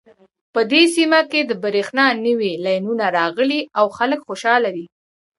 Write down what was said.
په دې سیمه کې د بریښنا نوې لینونه راغلي او خلک خوشحاله دي